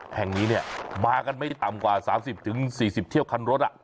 แห่งนี้เนี้ยมากันไม่ต่ำกว่าสามสิบถึงสี่สิบเที่ยวคันรถอ่ะ